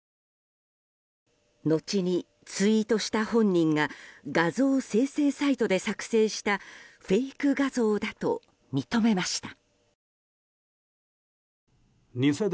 後にツイートした本人が画像生成サイトで作成したフェイク画像だと認めました。